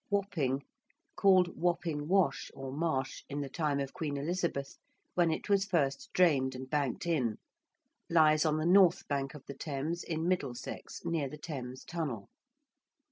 ~Wapping~: called Wapping Wash (or Marsh) in the time of Queen Elizabeth, when it was first drained and banked in, lies on the north bank of the Thames, in Middlesex, near the Thames Tunnel.